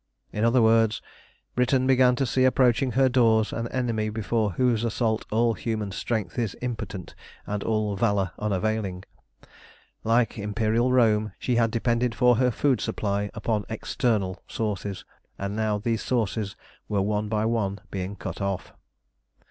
In other words, Britain began to see approaching her doors an enemy before whose assault all human strength is impotent and all valour unavailing. Like Imperial Rome, she had depended for her food supply upon external sources, and now these sources were one by one being cut off.